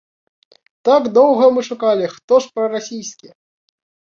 Так доўга мы шукалі, хто ж прарасійскі?